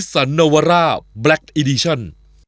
นิสสันนวรร่าแบล็คอีดีชัน